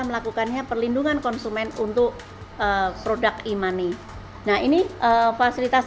melakukannya perlindungan konsumen untuk produk e money nah ini fasilitas